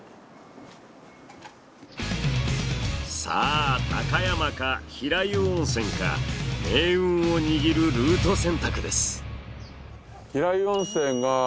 さあ高山か平湯温泉か命運を握るルート選択です。